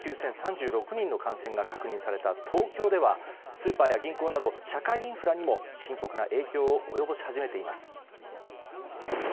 ２万９０３６人の感染が確認された東京ではスーパーや銀行など社会インフラにも深刻な影響を及ぼし始めています。